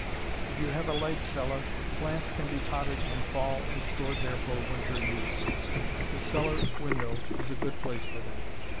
If you have a light cellar, plants can be potted in fall and stored there for winter use. The cellar window is a good place for them.